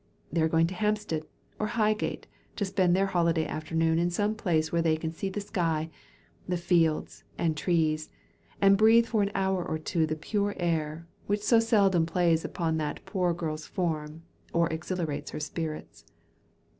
They are going to Hampstead or Highgate, to spend their holiday afternoon in some place where they can see the sky, the fields, and trees, and breathe for an hour or two the pure air, which so seldom plays upon that poor girl's form, or exhilarates her spirits.